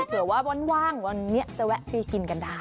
เผื่อว่าว่างวันนี้จะแวะไปกินกันได้